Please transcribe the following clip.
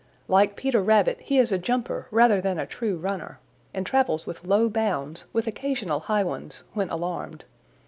Like Peter Rabbit he is a jumper rather than a true runner, and travels with low bounds with occasional high ones when alarmed.